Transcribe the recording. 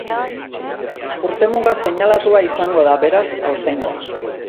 Urtemuga seinalatua izango da, beraz, aurtengoa.